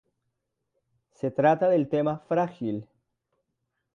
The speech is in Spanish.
Se trata del tema "Frágil".